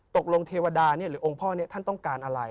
เทวดาหรือองค์พ่อท่านต้องการอะไร